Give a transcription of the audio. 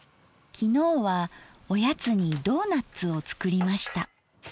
昨日はおやつにドーナッツを作りました。